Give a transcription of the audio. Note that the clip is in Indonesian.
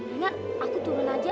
ingat aku turun aja